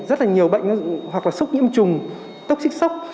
rất là nhiều bệnh hoặc là sốc nhiễm trùng tốc xích sốc